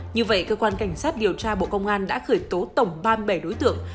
như vậy cơ quan cảnh sát điều tra bộ công an đã khởi tố tổng ba mươi bảy đối tượng